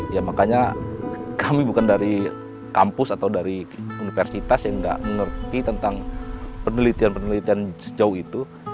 ya makanya kami bukan dari kampus atau dari universitas yang nggak mengerti tentang penelitian penelitian sejauh itu